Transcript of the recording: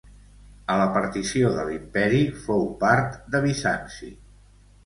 A la partició de l'imperi fou part de Bizanci.